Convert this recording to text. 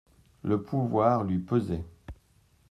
Le pouvoir lui pesait.